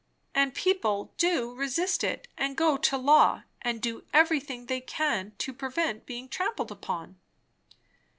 And people do resist it, and go to law, and do everything they can, to prevent being trampled upon?